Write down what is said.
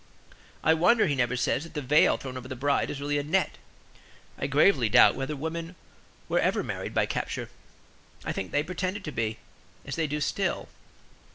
I wonder he never says that the veil thrown over the bride is really a net. I gravely doubt whether women ever were married by capture I think they pretended to be; as they do still.